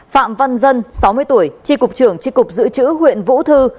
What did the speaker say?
phạm văn dân sáu mươi tuổi tri cục trưởng tri cục dự trữ huyện vũ thư